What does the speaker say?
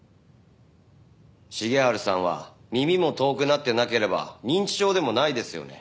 重治さんは耳も遠くなってなければ認知症でもないですよね？